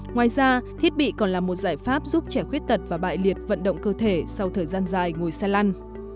ngoài ra thiết bị còn là một giải pháp giúp trẻ khuyết tật và bại liệt vận động cơ thể sau thời gian dài ngồi xe lăn